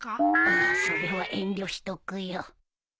それは遠慮しとくよ。